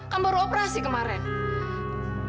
kan baru operasi kemarin